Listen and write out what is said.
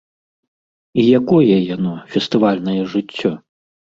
І якое яно, фестывальнае жыццё?